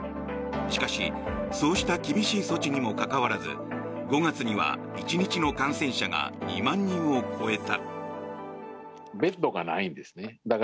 しかし、そうした厳しい措置にもかかわらず５月には１日の感染者が２万人を超えた。